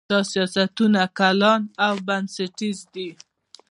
دا سیاستونه کلان او بنسټیز دي.